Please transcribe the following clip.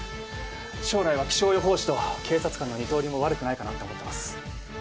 将来は気象予報士と警察官の二刀流も悪くないかなと思っています。